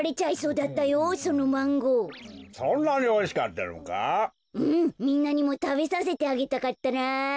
うんみんなにもたべさせてあげたかったなぁ。